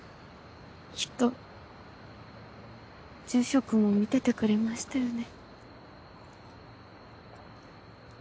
きっと住職も見ててくれましたよね。